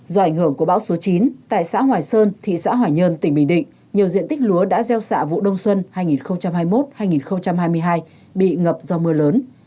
do ảnh hưởng của bão số chín tại xã hoài sơn thị xã hoài nhơn tỉnh bình định nhiều diện tích lúa đã gieo xạ vụ đông xuân hai nghìn hai mươi một hai nghìn hai mươi hai bị ngập do mưa lớn